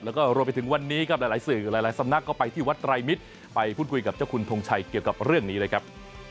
แล้วก็รวมไปถึงวันนี้ครับหลายสื่อหลายสำนักก็ไปที่วัดไตรมิตรไปพูดคุยกับเจ้าคุณทงชัยเกี่ยวกับเรื่องนี้เลยครับ